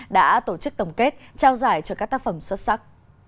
đã tổ chức tổng kết trao giải cho các tác phẩm xuất sắc